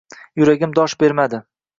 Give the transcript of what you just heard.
Yuragim dosh bermadi